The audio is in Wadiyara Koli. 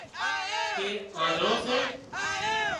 ڪي آنڌۯو سي